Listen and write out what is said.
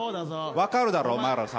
分かるだろお前らさ。